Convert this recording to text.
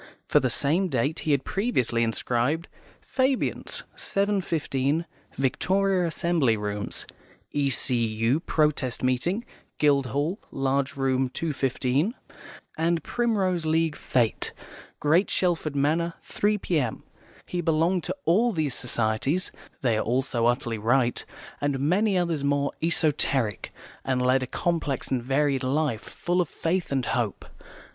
For the same date he had previously inscribed, "Fabians, 7.15, Victoria Assembly Rooms," "E.C.U. Protest Meeting, Guildhall, large room, 2.15," and "Primrose League Fête, Great Shelford Manor, 3 p.m." He belonged to all these societies (they are all so utterly right) and many others more esoteric, and led a complex and varied life, full of faith and hope.